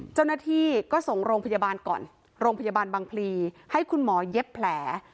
เจ้าหน้าที่ก็ส่งโรงพยาบาลก่อนโรงพยาบาลบางพลีให้คุณหมอเย็บแผล